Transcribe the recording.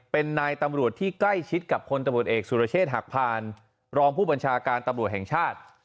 เป็นนายตำรวจที่ใกล้ชิดกับคนตำรวจเอกสุรเชษฐ์หักพานรองผู้บัญชาการตำรวจแห่งชาติ